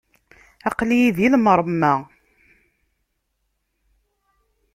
Aql-iyi di lemṛemma!